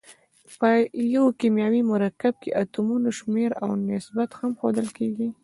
په یو کیمیاوي مرکب کې اتومونو شمیر او نسبت هم ښودل کیږي.